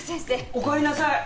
おかえりなさい。